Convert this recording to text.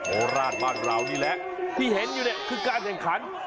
ราชบ้านเรานี่แหละที่เห็นอยู่เนี่ยคือการแข่งขัน